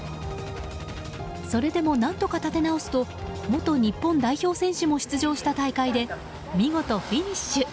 それでも何とか立て直すと元日本代表選手も出場した大会で見事フィニッシュ。